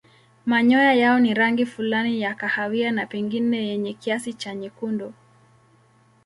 Manyoya yao ni rangi fulani ya kahawia na pengine yenye kiasi cha nyekundu.